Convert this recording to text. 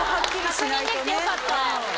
確認できてよかった。